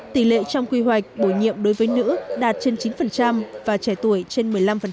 tỷ lệ trong quy hoạch bổ nhiệm đối với nữ đạt trên chín và trẻ tuổi trên một mươi năm